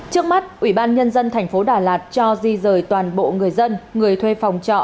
trước mắt ủy ban nhân dân thành phố đà lạt cho di rời toàn bộ người dân người thuê phòng trọ